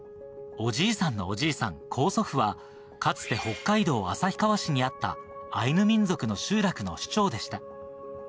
おじいさんのおじいさん、高祖父はかつて北海道旭川市にあったアイヌ民族の集落の首長でした。